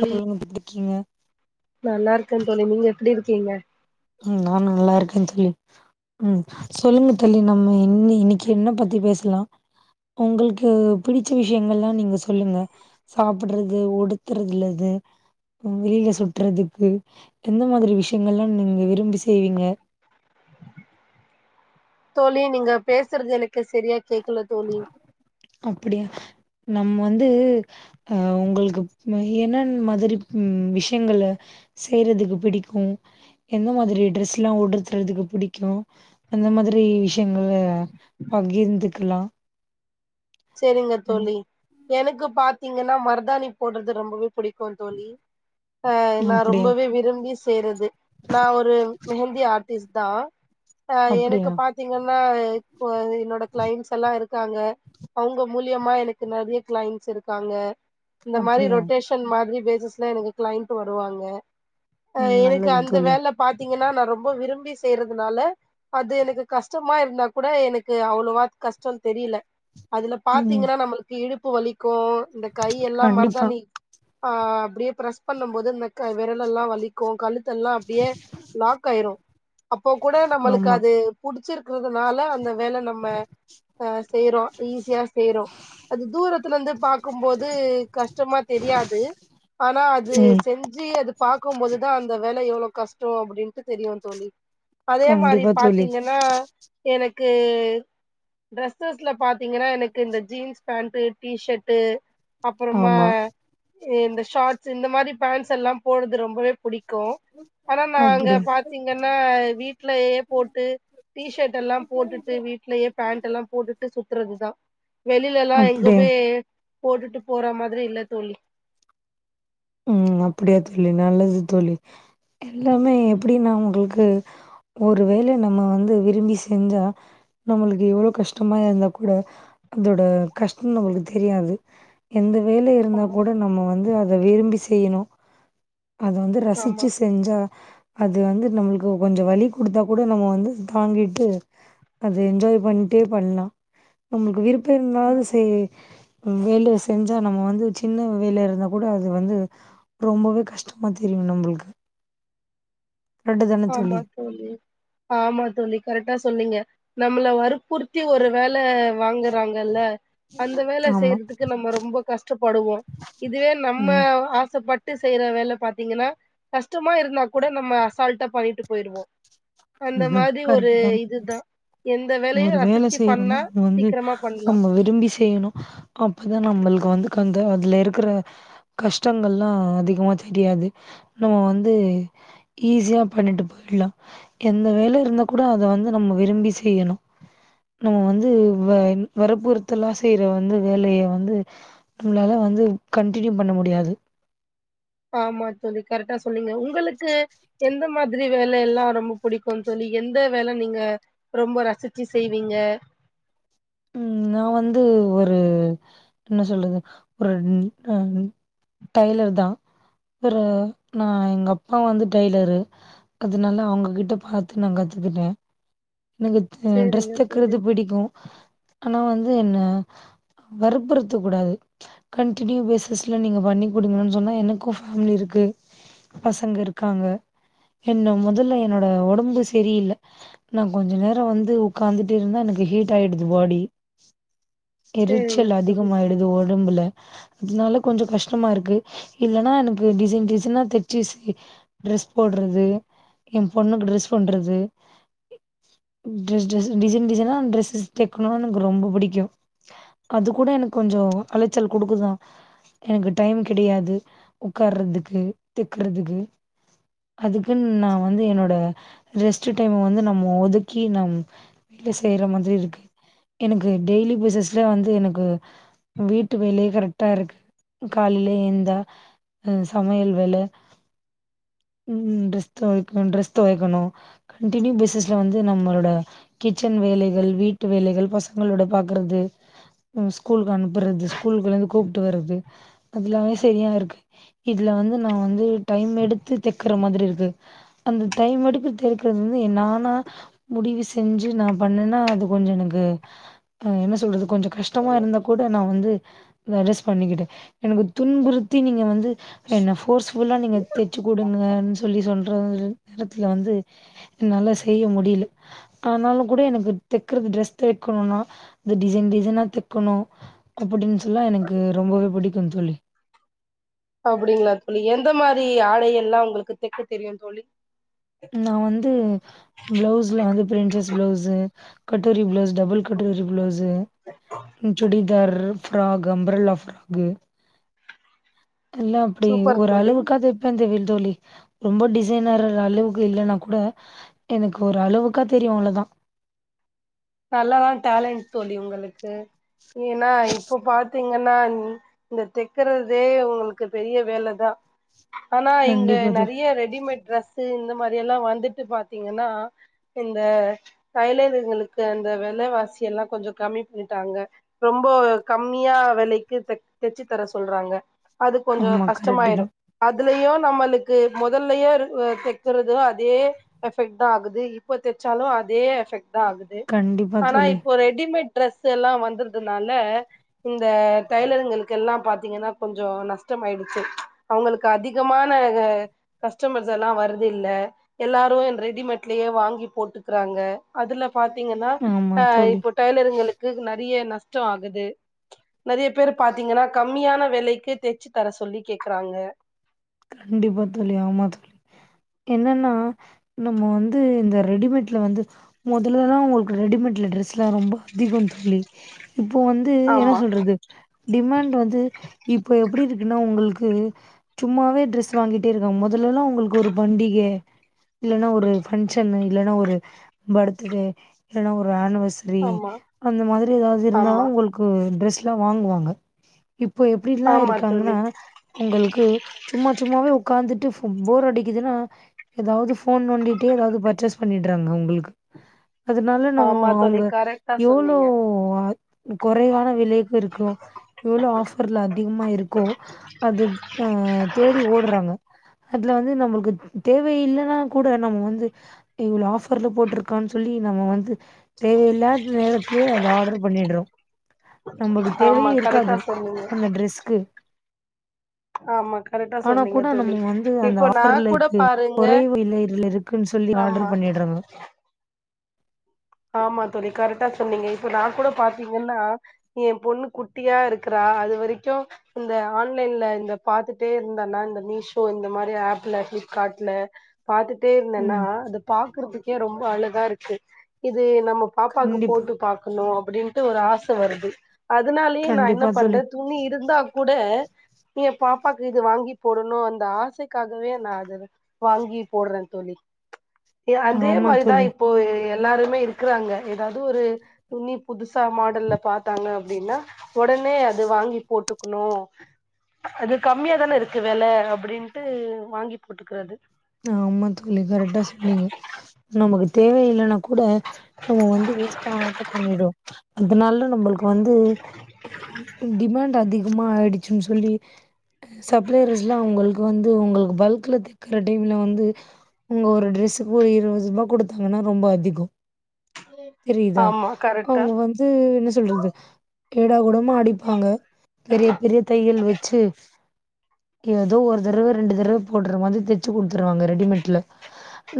செல்லுங்க [unintelligible] எப்டிருக்கிங்க நல்லாருக்கே தோழி நீங்க எப்டி இருக்கிங்க ம் நா நல்லாருக்கே தோழி ம் சொல்லுங்க தோழி நம்ம இன்னி இன்னிக்கு என்ன பத்தி பேசலா உங்கள்க்கு பிடிச்ச விஷ்யங்கல்லா நீங்க சொல்லுங்க சாப்டுறது ஒடுத்துறதுல எது வெளியில சுற்றதுக்கு எந்த மாரி விஷ்யங்கள்லா நீங்க விரும்பி செய்வீங்க தோழி நீங்க பேசுறது எனக்கு செரியா கேக்கல தோழி அப்டியா நம்ம வந்து அ உங்களுக்கு என்னன் மாதிரி விஷ்யங்கள்ல செய்யறதுக்கு பிடிக்கு எந்த மாரி ட்ரெஸ்ல்லா உடுத்துறதுக்கு பிடிக்கு அந்த மாதிரி விஷ்யங்கள்ல பகிர்ந்துக்கலா சேரிங்க ம் தோழி எனக்கு பாத்தீங்கன்னா மருதாணி போடுறது ரொம்பவே புடிக்கும் தோழி ஆ நா அப்டியா ரொம்பவே விரும்பி செய்றது நா ஒரு மெஹந்தி ஆர்ட்டிஸ் தா எனக்கு அப்டியா பாத் எங்கன்னா இப்போ என்னோட கிளைண்ட்ஸ் எல்லா இருக்காங்க அவுங்க மூலியமா எனக்கு நெறையா கிளைண்ட்ஸ் இருக்காங்க இந்த மாரி அப்டியா ரொட்டேஷ் [unintelligible] மாதிரி பேசஸ்ல எனக்கு கிளைண்ட் வருவாங்க ம் எனக்கு நல்லது அந்த தோழி வேலப் பாத்தீங்கன்னா நா ரொம்ப விரும்பி செய்யறதுனால அது எனக்கு கஷ்டமா இருந்தா கூட எனக்கு அவ்ளோவா கஷ்டோ தெரியல அதுல ம் பாத்தீங்கன்னா நம்மளுக்கு இடுப்பு வலிக்கு இந்த கை எல்லா கண்டிப்பா மருதாணி ஆ அப்டியே ப்ரெஸ் பண்ணு போது இந்த க விரல் எல்லா வலிக்கு கழுத்தெல்லா அப்டியே லாக் ஆயிரு அப்ப கூட நம்மளுக்கு ஆமா அது புடிச்சிருக்கிறதுனால அந்த வேல நம்ம ஆ செய்றோ ஈஸியா செய்றோ அது தூரத்துல இருந்து பாக்கும்போது கஷ்டமா தெரியாது ஆனா அது செ ம் செஞ்சு அது பாக்கும் போதுதா அந்த வேல எவ்ளோ கஷ்டோ அப்டின்ட்டு தெரியு தோழி அதே மாரி கண்டிப்பா தோழி பாத்தீங்கன்னா எனக்கு ட்ரெஸ்சஸ்ல பாத் பாத்தீங்கன்னா எனக்கு இந்த ஜீன்ஸ் பேண்ட்டு டீ ஷட்டு அப்றமா ஆமா இந்த ஷாட்ஸ்சு இந்த மாரி பேண்ட்ஸ்சல்லா போடுறது ரொம்பவே புடிக் கு ஆனா நாங்க அப்டி பாத்தீங்கன்னா வீட்லையே போட்டு டீ ஷர்ட் எல்லா போட்டுட்டு வீட் வீட்லயே பேண்ட் எல்லா போட்டுட்டு சுத்துறதுதா வெளியிலல்லா அப்டியா எங்குமே போட்டுட்டு போற மாதிரி இல்ல தோழி ம் அப்டியா தோழி நல்லது தோழி எல்லாமே எப்டினா உங்களுக்கு ஒரு வேல நம்ம வந்து விரும்பி செஞ்சா நம்மளுக்கு எவ்ளோ கஷ்டமா இருந்தா கூட அதோட கஷ்டம் நம்மளுக்கு தெரியாது எந்த வேல இருந்தா ஆமா கூட நம்ம வந்து அத விரும்பி செய்யணு அத வந்து ஆமா ரசிச்சு செஞ்சா அது வந்து நம்மளுக்கு கொஞ்ச வலி குடுத்தா கூட நம்ம வந்து அத தாங்கிட்டு அது என்ஜாய் பண்ணிட்டே பண்லா நம்மளுக்கு விருப்ப இருந்தாலு சே வேல செஞ்சா நம்ம வந்து சின்ன வேலைய இருந்தா கூட அது வந்து ரொம்பவே கஷ்டமா தெரியு நம்ளுக்கு ஆமா தோழி ஆமா தோழி கரெக்டா சொன்னீங்க நம்மள வருக் குர்த்தி ஒரு வேல வாங்குறாங்கல்ல அந்த வேல ஆமா. செய்யறதுக்கு நம்ம ரொம்ப கஷ்டப்படுவோ இதுவே நம்ம ம். ஆசைப்பட் டு செய்யற வேல பாத்தீங்கன்னா கஷ்டமா இருந்தா கூட நம்ம அசால்டா பண்ணிட்டு போயிருவோ அந்த ம் மாதிரி ஒரு கரக்டுந்தாங் இதுதா எந்த வேலையு ஒரு வேல ரசிச்சு பண்ணா செய்யணுனா வந்து சீக்கிரமா பண்லா நம்ம விரும்பி செய்யணு அப்தா நம்மளுக்கு வந்து கந்த அதுல இருக்கற கஷ்டங்கள்ல்லா அதிகமா தெரியாது நம்ம வந்து ஈஸியா பண்ணிட்டு போய்ட்லா எந்த வேல இருந்தா கூட அத வந்து நம்ம விரும்பி செய்யணு நம்ம வந்து வ வரற்புறுத்தல்லா செய்யற வந்து வேலைய வந்து நம்மளால வந்து கன்டினியூ பண்ண முடியாது ஆமா தோழி கரெட்டா சொன்னீங்க உங்களுக்கு எந்த மாத்ரி வேலை எல்லா ரொம்ப புடிக்கூந் தோழி எந்த வேல நீங்க ரொம்ப ரசிச்சி செய்வீங்க ம் நா வந்து ஒரு என்ன சொல்லுது ஒரு அ டைய்லர் தா ஒரு நா எங்க அப்பா வந்து டெய்லரு அதுனால அவுங்ககிட்ட பாத்து நா கத்துக்கிட்டே எனக்கு ட் ட்ரெஸ் சேரிங்க தோழி தக்கிறது பிடிக்கூ ஆனா வந்து என்ன வற்ப்புருத்த கூடாது கண்டினியூ பேசிஸ்ல நீங்க பண்ணி குடிங்கன் சொன்னா எனக்கூ ஃபேமிலி இருக்கு பசங்க இருக்காங்க என்ன மொதல்ல என்னோட ஒடம்பு செரியில்ல நா கொஞ்ச நேரோ வந்து உக்காந்துட்டே இருந்த எனக்கு ஹீட் ஆயிடுது பாடி சேரிங்க எரிச்சல் தோழி அதிகமாயிடுது ஒடம்புல அதனால கொஞ்சோ கஷ்டமாருக்கு இல்லன்னா எனக்கு டிசைன் டிசைனா தச்சு ஸ் ட்ரெஸ் போட்றது ஏ பொண்ணுக்கு ட்ரெஸ் பண்றது ட்ரஸ் ட்ரெஸ் டிசைன் டிசைனா டிரெஸஸ் தைக்கணு எனக்கு ரொம்ப புடிக்கூ அது கூட எனக்கு கொஞ்சோ அலச்சல் குடுக்குதா எனக்கு டைம் கிடையாது உக்காறதுக்கு தெக்குறதுக்கு அதுக்குன் நா வந்து என்னோட ரெஸ்ட்டு டைம் வந்து நம்ம ஒதுக்கி நம் வேல செய்ற மாத்ரி இருக்கு எனக்கு டெய்லி பேசிஸ்ல வந்து எனக்கு வீட்டு வேலயே கரெக்டாருக்கு காலைலே ஏந்தா அது சமையல் வேல ம் ட்ரெஸ் தொவைக்க ட்ரெஸ் தொவைக்கணு கண்டினியு பிஸ்ஸஸ் ப்றோ வந்து நம்மளோட கிச்சன் வேலைகள் வீட்டு வேலைகள் பசங்களோட பாக்குறது ம் ஸ்கூலுக்கு அனுப்புறது ஸ்கூலுக்குல இருந்து கூப்ட்டு வர்றது அதுல்லாமே சரியா இருக்கு இதுல வந்து நா வந்து டைம் எடுத்து தெக்குற மாத்ரி இருக்கு அந்த டைம் எடுத்து தெக்கிறது வந்து என் நானா முடிவு செஞ்சு நா பண்ணேனா அது கொஞ்சோ எனக்கு அ என்ன சொல்றது கொஞ்சோ கஷ் ட்டமா இருந்தா கூட நா வந்து அட்ஜஸ் பண்ணிக்கிடே எனக்கு துன்புறுத்தி நீங்க வந்து என்ன ஃபோர்ஸ் ஃபுல்லா நீங்க தெச்சு குடுங்கன்னு சொல்லி சொல்றது நேரத்துல வந்து என்னால செய்ய முடியில ஆனாலு கூட எனக்கு தெக்கறது ட்ரெஸ் தெக்கணுனா அது டிசைன் டிசைனா தெக்கணு அப்படின் சொல்ல எனக்கு ரொம்பவே புடிக்குந்தோழி அப்டிங்களா தோழி எந்த மாரி ஆடை எல்லா உங்களுக்கு தெக்க தெரியுந்தோழி நா வந்து ப்ளவுஸ்ல வந்து பிரின்சஸ் ப்ளவுஸு கட்டூரி ப்ளவுஸு டபுள் கட்டூரி blouse chudidar frock umbrella frock எல்லா அப்டி சூப்பர் ஒரு தோழி அளவுக்காக தெப்பேந்தவில் தோழி ரொம்ப டிசைனர் அளவு க்கு இல்லன்னா கூட எனக்கு ஒரு அளவுக்கா தெரியு அவ்ளதா நல்லாதா டேலண்ட் தோழி உங்களுக்கு ஏனா இப்போ பாத் பாத்தீங்கன்னா இந்த தெக்கறதே உங்களுக்கு பெரிய வேலதா ஆனா இங்க கண்டிப்பா தோழி. நெறைய ரெடிமேட் ட்ரெஸ் இந்த மாரி எல்லா வந்துட்டு பா்த்தீங்கன்னா இந்த தைலர்ங்களுக் அந்த வெலவாசி எல்லா கொஞ்சோ கம்மி பண்ட்டாங்க ரொம்ப கம்மியா வெலைக்கு தச்சு தர சொல்றாங்க அது கொஞ்சோ ஆமா கரெக்ட்டு தான். கஷ்டமாயிரு அதுலயு நம்மளுக்கு மொதல்லயே தக்கறது அதே எஃபெக்ட் தா ஆகுது இப்ப தச்சாலு அதே எஃபெக்ட் தா ஆகுது கண்டிப் ஆனா இப்போ ரெடிமேட் டிரெஸ் எல்லா வந்தர்துனால இந்த டைலருங்களுக்கெல்லா பாத்தீங்கன்னா கொஞ்சோ நஷ்டம் ஆயிடுச்சு அவுங்களுக்கு அதிகமான கஸ்டமர்ஸ் எல்லா வருது இல்ல எல்லாரு ரெடிமேட்லே வாங்கி போட்டுக்கறாங்க அதுல பாத் தீங்கன்னா ஆமா அ தோழி. இப்போ டெய்லருங்களுக்கு நெறைய நஷ்டோ ஆகுது நெறைய பேரு பாத்தீங்கன்னா கம்மியான வெலைக்கு தச்சு தர சொல்லி கேக்குறாங்க கண்டிப்பா தோழி ஆமா தோழி என்னன்னா நம்ம வந்து இந்த ரெடிமேட்ல வந்து மொதலல்லா உங்களுக்கு ரெடிமேட்ல டிரெஸ் ல்லா ரொம்ப அதிகோ தோழி இப்போ வந்து என்ன ஆமா சொல்றது டிமாண்ட் வந்து இப்ப எப்டி இருக்குன்னா உங்களுக்கு சும்மாவே ட்ரெஸ் வாங்கிட்டே இருக்காங்க முதல்லல்லா உங்களுக்கு ஒரு பண்டிக இல்லன்னா ஒரு பங்க்ஷனு இல்லன்னா ஒரு பர்த்டே இல்லன்னா ஒரு ஆனிவர்ச சரி ஆமா அந்த மாதிரி எதாவது இருந்தாதா ஆமா உங்களுக்கு ட்ரெஸ்லா வாங்குவாங்க இப்போ எப்டிலா ஆமா தோழி இருக்காங்கன்னா உங்களுக்கு சும்மா சும்மாவே உக்காந்துட்டு போர் அடிக்குதுன்னா எதாவது ஃபோன் நோண்டிட்டே ஏஎதாவது பர்ச்சேஸ் பண்ணிட்றாங்க அவுங்குளுக்கு அதனால ந ஆமா தோழி அவுங்க கரெக்டா எவ்ளோ சொன்னீங்க குறைவான விலைக்கு இருக்கு எவ்ளோ ஆஃபர்ல அதிகமா இருக்கோ அது அ தேடி ஓட்றாங்க அதுல வந்து நம்பளுக்கு தேவை இல்லன்னா கூட நம்ம வந்து இவ்ளோ ஆஃபர்ல போட்ருக்கான்னு சொல்லி நம்ம வந்து தேவையில்லாத நேரத்துலேயே அது ஆர்டர் பண்ணிட்றோ நம்மளுக்கு தேவையே ஆமா இருக்காது கரெக்டா சொன்னீங்க அந்த ட்ரெஸ்க்கு ஆமா கரெக்டா ஆனா சொன்னீங்க கூட தோழி நம்ம வந்து அந்த இப்போ நா ஆஃபர்ல கூட இருக்கு பாருங்க கொறைவு விலைல இருக் இருக்குன்னு சொல்லி ஆமா ஆர்டர் பண்ணிட்றாங்க ஆமா தோழி கரெக்டா சொன்னீங்க இப்ப நா கூட பாத்தீங்கன்னா எ பொண்ணு குட்டியா இருக்கறா அது வரைக்கு இந்த ஆன்லைன்ல இந்த பாத்துட்டே இருந்தன்னா இந்த மீஷோ இந்த மாரி ஆப்ல பிளிப்கார்ட்ல பாத்துட்டே இருந்தன்னா ம். அத பாக்குறதுக்கே ரொம்ப அழகா இருக்கு இது நம்ம பாப்பாவுக்கு கண்டிப்பா, போட்டு பாக்கணு அப்டின்ட்டு ஒரு ஆச வருது அதனாலேயே நா என்ன கண்டிப்பா பண்ற தோழி. துணி இருந்தா கூட எ பாப்பாக்கு இது வாங்கி போடணு அந்த ஆசைக்காகவே நா அத வந் வாங்கி போட்ற தோழி அதே ஆமா மாரிதா தோழி. இப்போ எல்லாருமே இருக்கறாங்க எதாவது ஒரு துணி புதுசா மாடல்ல பாத்தாங்க அப்டின்னா ஒடனே அது வாங்கி போட்டுக்ணு அது கம்மியாாதான இருக்கு வெல அப்டின்ட்டு வாங்கி போட்டுக்றது ஆமா தோழி கரெக்டா சொன்னீங்க நமக்கு தேவையில்லன்னா அப்ப கூட நம்ம வந்து வேஸ்ட்டா ஆர்டர் பண்ணிடுவோ அதனால நம்பளுக்கு வந்து டிமாண்ட் அதி கமா ஆயிடுச்சுன்னு சொல்லி சப்லையர்ல உங்களுக்கு வந்து உங்களுக்கு பல்கலக்க [unintelligible] டைம்ல வந்து உங்க ஒரு ட்ரெஸக்கு ஒரு இருவது ரூபா குடுத்தாங்கன்னா ரொம்ப அதிகோ தெரியுதா ஆமா கரெக்டா அவுங்க வந்து என்ன சொல்றது ஏடா கூடமா அடிப்பாங்க பெரிய பெரிய தையல் வச்சு ஏதோ ஒரு தடவ ரெண்டு தடவ போட்ற மாரி த ச்சு குடுத்துருவாங்க ரெடிமேட்ல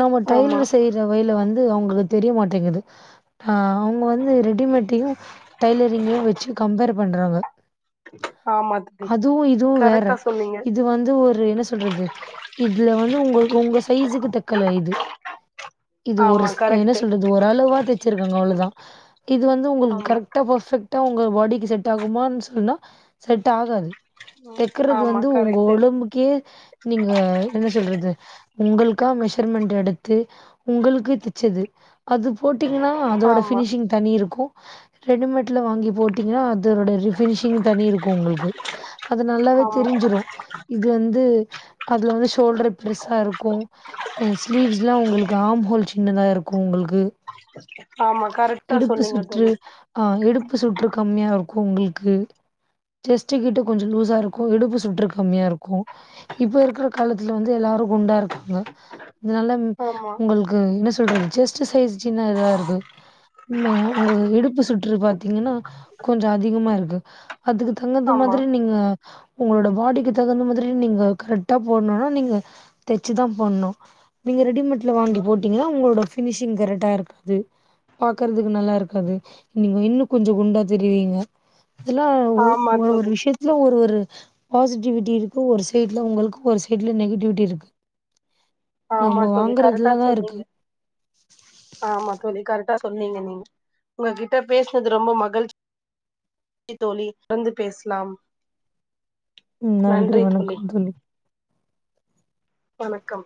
நம்ம ஆமா டைலர் செய்ற தொழில வந்து அவுங்களுக்கு தெரிய மாட்டேங்குது ஆ அவுங்க வந்து ரெடிமேட்டயு டைலரிங்கயு வச்சு கம்பேர் பண்றாங்க ஆமா தோழி அதுவு இதுவு வேற கரெக்டா சொன்னீங்க இது வந்து ஒரு என்ன சொல்றது இதுல வந்து உங்களுக்கு உங்க சைஸக்கு தக்கல இது இது ஒரு ஆமா என்ன கரெக்ட்டு சொல்றது ஓரளவா தைச்சிருக்காங்க அவ்ளோதா இது வந்து உங்களுக்கு ஆமா கரெக்டா பர்ஃபெக்ட் டா உங்க பாடிக்கு செட் ஆகுமான் சொன்னா செட் ஆகாது தெக்கறது ஆமா வந்து உங்க கரெக்ட்டு ஒடம்புக்கே நீங்க என்ன சொல்றது உங்களுக்கா மெஷர்மெண்ட் எடுத்து உங்களுக்கு தெச்சது அது போட்டீங்கன்னா அதோட ஆமா ஃபினிஷிங் தனி இருக்கு ரெடிமேட் வாங்கி போட் டீங்கனா அதோட ஃபினிஷிங் தனி இருக்கு உங்களுக்கு அது நல்லாவே ஆமா தெரிஞ்சிரு இது வந்து அதுல வந்து ஷோல்டர் பெருசா இருக்கு அ ஸ்லீவ்ஸ்ல்லா உங்களுக்கு ஆம்ஹோல் சின்னதா இருக்கு உங்களுக்கு ஆமா கரெக்ட்டா இடுப்பு சொன்னீங்க சுற்று தோழி ஆ இடுப்பு சுற்று கம்மிய இருக்கு உங்களுக்கு செஸ்ட்டு கிட்ட கொஞ்சோ லூசா இருக்கு இடுப்பு சுற்று கம்மியா இருக்கு இப்ப இருக்கற காலத்துல வந்து எல்லாரு குண்டா இருக்காங்க அதனால ஆமா உங்களுக் கு என்ன சொல்றது செஸ்ட்டு சைஸ் சின்னதா இருக்கு ம உங்க இடுப்பு சுற்று பாத்தீங்கன்னா கொஞ்சோ அதிகமா இருக்கு அதுக்கு தகுந்த ஆமா மாதிரி நீங்க உங்களோட பாடிக்கு தகுந்த மாதிரி நீங்க கரெட்டா போடுன்னா நீங்க தச்சு தா போட்ணு நீங்க ரெடிமேட்ல வாங்கி போட்டீங்கன்னா உங்களோட ஃபினிஷிங் கரெக்டா இருக்காது பாக்குறதுக்கு நல்லா இருக்காது நீங்க இன்னு கொஞ்சோ குண்டா தெரிவீங்க இதெல்லா ஆமா ஒரு ஒரு தோழி விஷ்யத்துல ஒரு ஒரு பாசிட்டிவிட்டி இருக்கு ஒரு சைட்ல உங்களுக்கு ஒரு சைட்ல நெகட்டிவிட்டி இருக்கு நம்ம ஆமா தோழி கரெக்டா வாங்கறதுல தா இருக்கு சொன்னீங்க ஆமா தோழி கரெக்டா சொன்னீங்க நீங்க உங்ககிட்ட பேசுனது ரொம்ப மகிழ் ச்சி தோழி தொடர்ந்து பேசலாம் ம் நன்றி வணக்கம் தோழி வணக்கம்